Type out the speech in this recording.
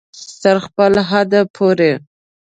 تر خپل حده پورې